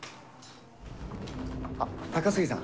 あっ高杉さん。